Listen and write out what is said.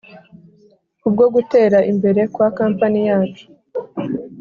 kubwo gutera imbere kwa company yacu